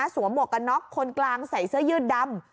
หมวกกันน็อกคนกลางใส่เสื้อยืดดำ